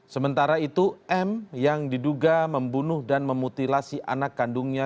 sementara itu m yang diduga membunuh dan memutilasi anak kandungnya